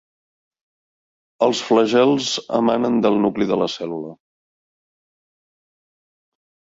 Els flagels emanen del nucli de la cèl·lula.